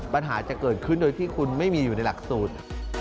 ปัญหาจะเกิดขึ้นโดยที่คุณไม่มีอยู่ในหลักสูตร